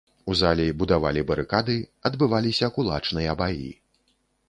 У залі будавалі барыкады, адбываліся кулачныя баі.